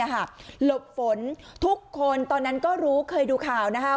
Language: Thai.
หลบฝนทุกคนตอนนั้นก็รู้เคยดูข่าวนะคะ